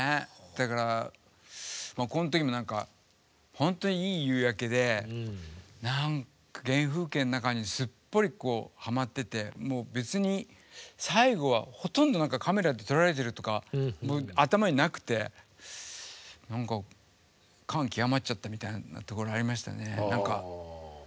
だからこん時もほんとにいい夕焼けで原風景の中にすっぽりはまってて別に最後はほとんどカメラで撮られてるとか頭になくて感極まっちゃったみたいなところがありましたね。